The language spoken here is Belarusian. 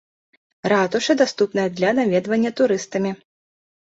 Ратуша даступная для наведвання турыстамі.